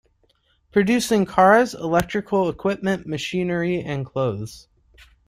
Producing cars, electrical equipment, machinery and clothes.